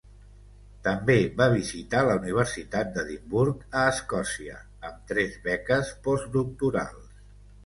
També va visitar la universitat d'Edimburg, a Escòcia, amb tres beques postdoctorals.